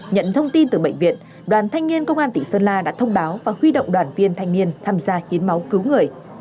nhận thông tin từ bệnh viện đoàn thanh niên công an tỉnh sơn la đã thông báo và huy động đoàn viên thanh niên tham gia hiến máu cứu người